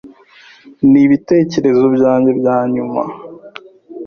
Nibitekerezo byanjye byanyuma.